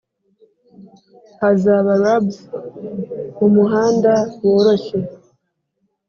hazaba rubs mumuhanda woroshye